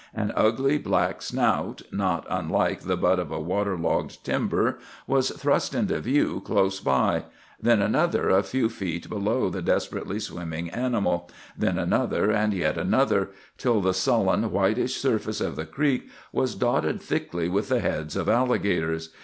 An ugly black snout, not unlike the butt of a water logged timber, was thrust into view close by; then another, a few feet below the desperately swimming animal; then another, and yet another, till the sullen, whitish surface of the creek was dotted thickly with the heads of alligators.